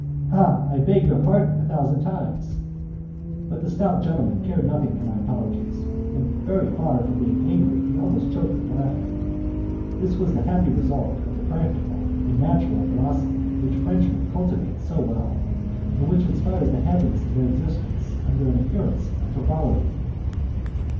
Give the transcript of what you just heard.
"Ah! I beg your pardon a thousand times!" But my stout gentleman cared nothing for my apologies, and very far from being angry he almost choked with laughter. This was the happy result of the practical and natural philosophy which Frenchmen cultivate so well, and which insures the happiness of their existence under an appearance of frivolity!